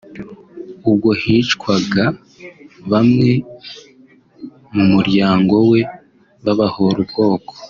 ubwo hicwaga bamwe bo mu muryango we babahora ubwoko